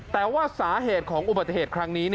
แต่ว่าสาเหตุของอุบัติเหตุครั้งนี้